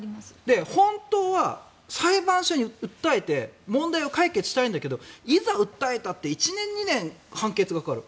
本当は裁判所に訴えて問題を解決したいんだけどいざ訴えたって１年、２年判決がかかる。